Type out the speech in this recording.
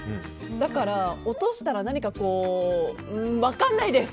だから落としたら何か分かんないです。